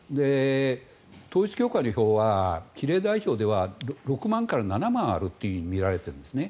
統一教会の票は比例代表では６万から７万あると見られているんですね。